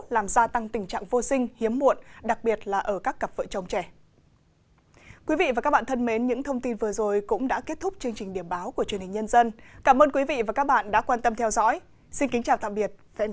làm gia tăng tình trạng vô sinh hiếm muộn đặc biệt là ở các cặp vợ chồng trẻ